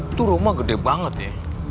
itu rumah gede banget ya